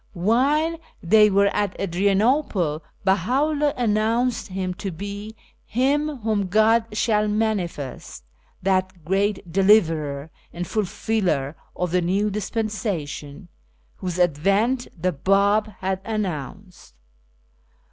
While they were at Adrian ople, Bella vJlldh announced himself to be "Him vjhom God shall manifest" that Great Deliverer and Fulfiller of the New Dispensation, whose advent the Bab had announced.